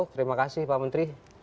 terima kasih pak menteri